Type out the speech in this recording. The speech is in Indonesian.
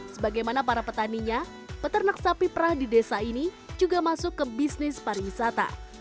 sebagaimana para petaninya peternak sapi perah di desa ini juga masuk ke bisnis pariwisata